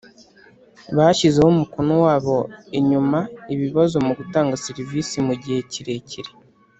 bashyizeho umukono wabo inyuma ibibazo mu gutanga serivisi mu gihe kirekire